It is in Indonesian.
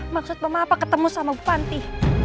maksud mama apa ketemu sama bu panti